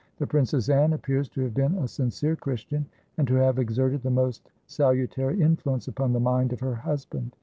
The Princess Anne appears to have been a sincere Christian, and to have exerted the most salu tary influence upon the mind of her husband.